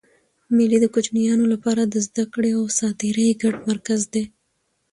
مېلې د کوچنيانو له پاره د زدهکړي او ساتېري ګډ مرکز دئ.